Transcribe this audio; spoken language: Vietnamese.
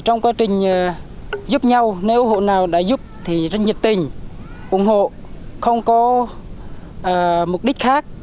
trong quá trình giúp nhau nếu hộ nào đã giúp thì rất nhiệt tình ủng hộ không có mục đích khác